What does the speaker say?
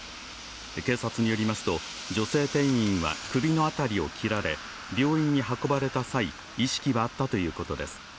警察によりますと、女性店員は首のあたりを切りつけられ、病院に搬送直後は意識はあったということです。